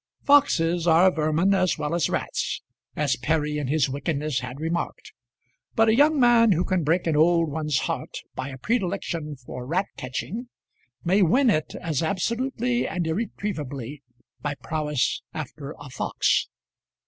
Foxes are vermin as well as rats, as Perry in his wickedness had remarked; but a young man who can break an old one's heart by a predilection for rat catching may win it as absolutely and irretrievably by prowess after a fox.